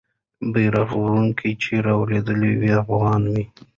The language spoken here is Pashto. بیرغ وړونکی چې رالوېدلی وو، افغان وو.